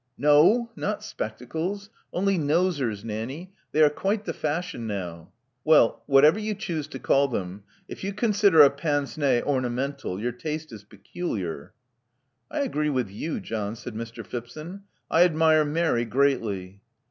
" *'No. Not spectacles. Only nosers, Nanny. They are quite the fashion now." Well, whatever you choose to call them. If you con sider a pince nez ornamental, your taste is peculiar." *'I agree with you^ John," said Mr. Phipson. "I admire Mary greatly."